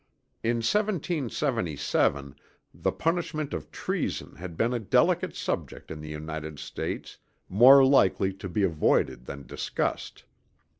In 1777 the punishment of treason had been a delicate subject in the United States more likely to be avoided than discussed.